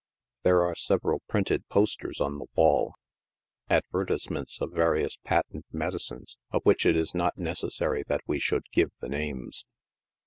There are several printed posters on the wail — advertisements of various patent medicines, of which it is not ne cessary that we should give the names.